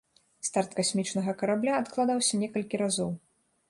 Старт касмічнага карабля адкладаўся некалькі разоў.